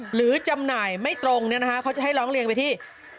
หรือจำหน่ายไม่ตรงนี่นะคะเขาจะให้ล้องเรียงไปที่๑๕๖๙